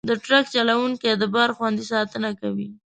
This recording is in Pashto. د ټرک چلوونکي د بار خوندي ساتنه کوي.